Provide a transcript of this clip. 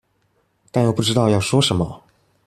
但又不知道要說什麼